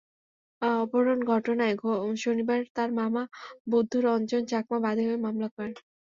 অপহরণ ঘটনায় শনিবার তাঁর মামা বুদ্ধ রঞ্জন চাকমা বাদী হয়ে মামলা করেন।